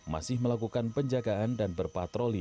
masih melakukan penjagaan dan berpatroli